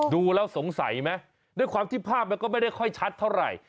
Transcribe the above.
ดูแล้วสงสัยไหมด้วยความที่ภาพมันก็ไม่ได้ค่อยชัดเท่าไหร่